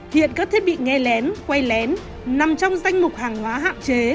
hiện các thiết bị nghe lén quay lén nằm trong danh mục hàng hóa hạn chế